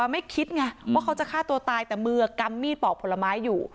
ไม่คิดไงว่าเขาจะฆ่าตัวตายแต่มือกำมีดปอกผลไม้อยู่